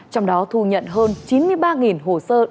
trong đó thu nhận hơn chín mươi ba hồ sơ đăng ký tại khu vực